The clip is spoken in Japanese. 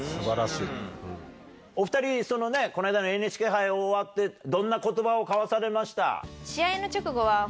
お２人この間のＮＨＫ杯終わってどんな言葉を交わされました？